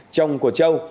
chồng của châu